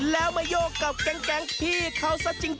แล้วมาโยกกับแก๊งพี่เขาซะจริง